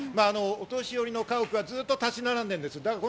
お年寄りの家屋がずっと立ち並んでるんです。